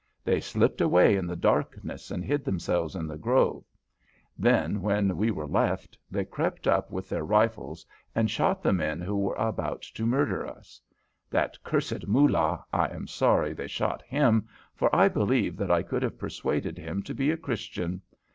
They slipped away in the darkness and hid themselves in the grove. Then, when we were left, they crept up with their rifles and shot the men who were about to murder us. That cursed Moolah, I am sorry they shot him, for I believe that I could have persuaded him to be a Christian.